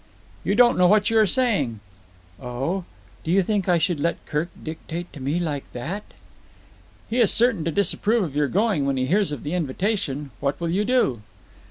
"You don't know what you are saying." "Oh? Do you think I should let Kirk dictate to me like that?" "He is certain to disapprove of your going when he hears of the invitation. What will you do?"